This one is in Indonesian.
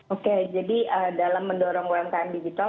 oke jadi dalam mendorong umkm digital